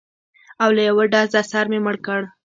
او له یوه ډزه سره یې مړ کړ.